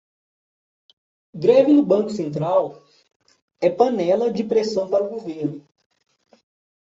Greve no Banco Central é panela de pressão para o governo